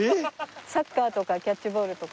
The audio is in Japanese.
サッカーとかキャッチボールとか。